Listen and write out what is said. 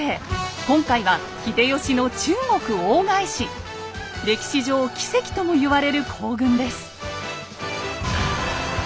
今回は歴史上奇跡ともいわれる行軍です。